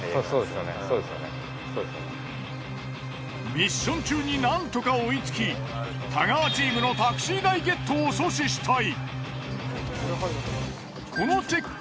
ミッション中になんとか追いつき太川チームのタクシー代ゲットを阻止したい。